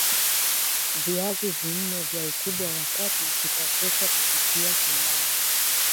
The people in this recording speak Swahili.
Viazi nne vya ukubwa wa kati vitatosha kupikia pilau